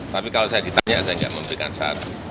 tapi kalau saya ditanya saya tidak memberikan satu